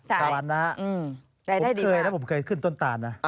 ใช่ได้ได้ดีมากผมเคยนะผมเคยขึ้นต้นตาลนะ